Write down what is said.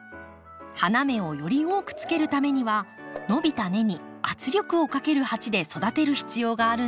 花芽をより多くつけるためには伸びた根に圧力をかける鉢で育てる必要があるんです。